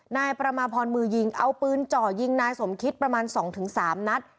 นายประมาพรมือยิงเอาปืนจ่อยิงนายสมคิดประมาณ๒๓นัด